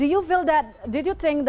apa yang ada di pikiran anda